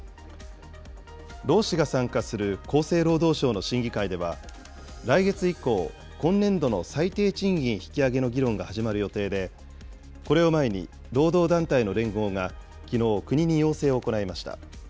労使が参加する厚生労働省の審議会では、来月以降、今年度の最低賃金引き上げの議論が始まる予定で、これを前に労働団体の連合がきのう、国に要請を行いました。